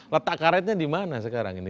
letak karetnya di mana sekarang ini